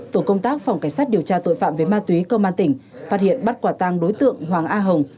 tổ công tác phòng cảnh sát điều tra tội phạm về ma túy công an tỉnh phát hiện bắt quả tăng đối tượng hoàng a hồng